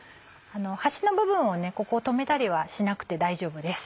端の部分をここを留めたりはしなくて大丈夫です。